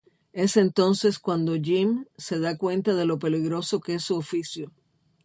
Es entonces cuando Jim se da cuenta de lo peligroso que es su oficio.